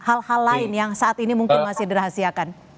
hal hal lain yang saat ini mungkin masih dirahasiakan